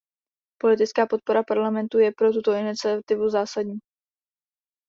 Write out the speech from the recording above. Politická podpora Parlamentu je pro tuto iniciativu zásadní.